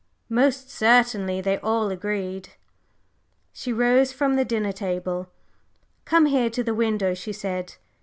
"Most certainly!" they all three answered. She rose from the dinner table. "Come here to the window," she said.